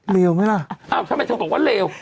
เลวมั้ยละเอ้าทำไมถึงบอกว่าเลว